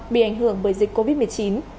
bị ảnh hưởng bởi dịch covid một mươi chín